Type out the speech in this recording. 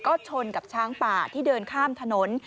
ก็ชนกับช้างป่าที่เดินข้ามถนน